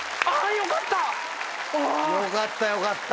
よかったよかった。